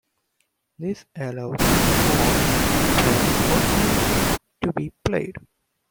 This allows mods for the original game to be played.